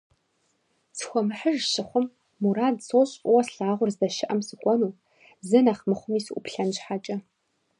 Схуэмыхьыж щыхъум, мурад сощӀ фӀыуэ слъагъур здэщыӀэм сыкӀуэну, зэ нэхъ мыхъуми сыӀуплъэн щхьэкӀэ.